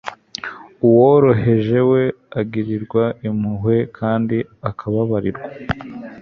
uworoheje we, agirirwa impuhwe kandi akababarirwa